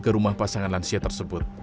ke rumah pasangan lansia tersebut